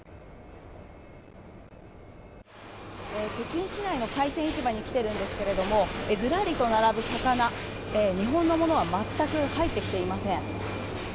北京市内の海鮮市場に来ているんですけれども、ずらりと並ぶ魚、日本のものは全く入ってきていません。